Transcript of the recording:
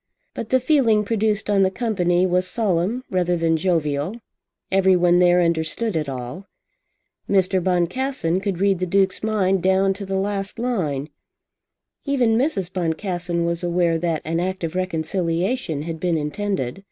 But the feeling produced on the company was solemn rather than jovial. Everyone there understood it all. Mr. Boncassen could read the Duke's mind down to the last line. Even Mrs. Boncassen was aware that an act of reconciliation had been intended.